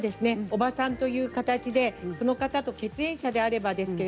おばさんという形でその方と血縁者であればですね。